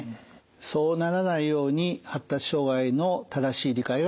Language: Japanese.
そうならないように発達障害の正しい理解は欠かせません。